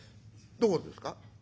「どこですか？」。